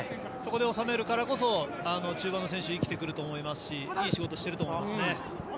そこで収めるからこそ中盤の選手生きてくると思いますしいい仕事をしていると思います。